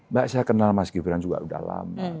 mbak saya kenal mas gibran juga udah lama